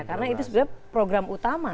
karena itu sebenarnya program utama